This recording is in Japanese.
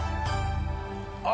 あ！